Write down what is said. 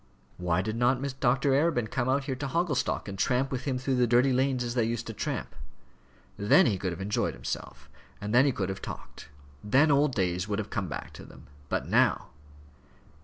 Why did not Dr. Arabin come out there to Hogglestock, and tramp with him through the dirty lanes as they used to tramp? Then he could have enjoyed himself; then he could have talked; then old days would have come back to them. But now!